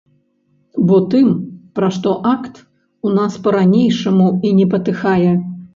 Бо тым, пра што акт, у нас па-ранейшаму і не патыхае.